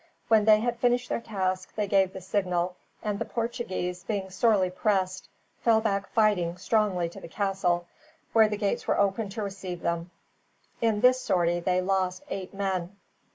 When they had finished their task they gave the signal, and the Portuguese, being sorely pressed, fell back fighting strongly to the castle, where the gates were opened to receive them. In this sortie they lost eight men.